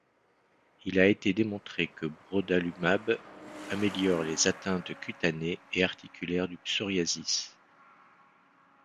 Il a été démontré que brodalumab améliore les atteintes cutanées et articulaires du psoriasis.